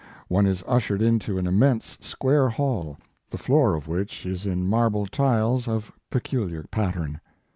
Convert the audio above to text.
One is ushered into an immense square hall, the floor of which is in marble tiles of peculiar pat tern.